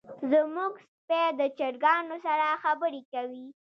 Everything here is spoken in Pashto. زمونږ سپی د چرګانو سره خبرې کوي.